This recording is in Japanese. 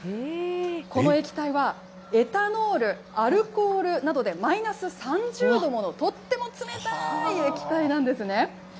この液体は、エタノール、アルコールなどで、マイナス３０度もの、とっても冷たい液体なんですね。